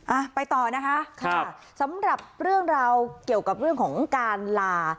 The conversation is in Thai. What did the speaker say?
อ่ะไปต่อนะคะค่ะสำหรับเรื่องราวเกี่ยวกับเรื่องของการลา